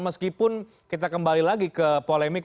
meskipun kita kembali lagi ke polemik